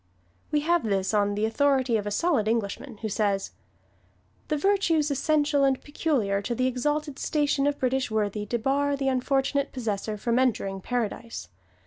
We have this on the authority of a solid Englishman, who says: "The virtues essential and peculiar to the exalted station of British Worthy debar the unfortunate possessor from entering Paradise.